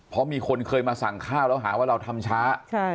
เพราะมีคนเคยมาสั่งข้าวแล้วหาว่าเราทำช้า